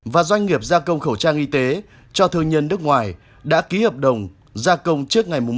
và doanh nghiệp gia công khẩu trang y tế cho thương nhân nước ngoài đã ký hợp đồng gia công trước ngày một tháng ba năm hai nghìn hai mươi